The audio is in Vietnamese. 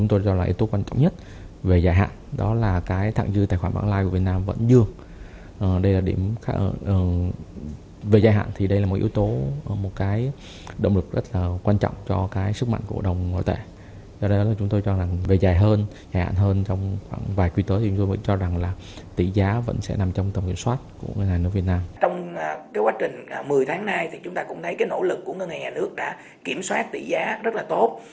trong quá trình một mươi tháng nay chúng ta cũng thấy nỗ lực của ngân hàng nhà nước đã kiểm soát tỷ giá rất là tốt